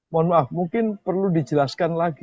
mohon maaf mungkin perlu dijelaskan lagi